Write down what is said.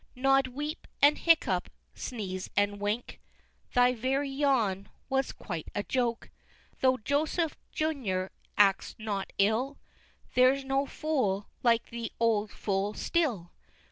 Nod, weep, and hiccup sneeze and wink? Thy very yawn was quite a joke! Tho' Joseph, Junior, acts not ill, "There's no Fool like the old Fool" still!